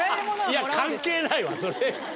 関係ないわそれ。